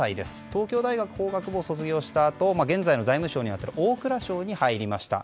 東京大学法学部を卒業したあと現在の財務省に当たる大蔵省に入りました。